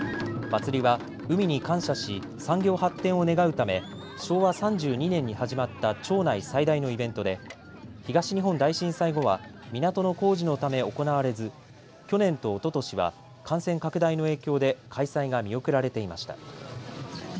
祭りは海に感謝し、産業発展を願うため昭和３２年に始まった町内最大のイベントで東日本大震災後は港の工事のため行われず去年とおととしは感染拡大の影響で開催が見送られていました。